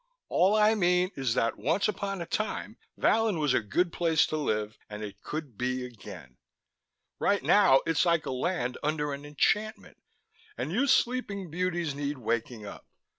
All I mean is that once upon a time Vallon was a good place to live and it could be again. Right now, it's like a land under an enchantment and you sleeping beauties need waking up.